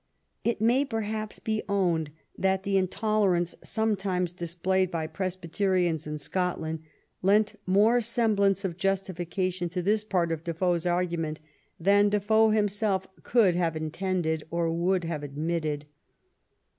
It may, perhaps, be owned that the intolerance some times displayed by Presbyterians in Scotland lent more semblance of justification to this part of Defoe's argu ment than Defoe himself could have intended or would have adniitted.